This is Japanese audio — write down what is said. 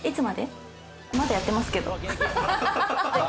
まだやってますけど。